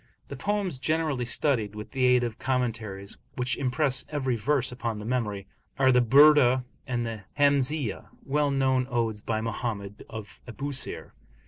The poems generally studied, with the aid of commentaries, which impress every verse upon the memory, are the Burdah and the Hamziyah, well known odes by Mohammed of Abusir.